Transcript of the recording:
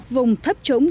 vùng thấp trống